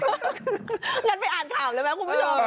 งั้นไปอ่านข่าวเลยไหมคุณผู้ชม